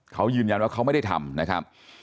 เขายืนยันว่าเขาไม่ได้ทำนะครับ